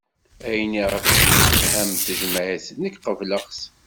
Ayen i ɣef temsefham tejmaɛt nekk qebleɣ-t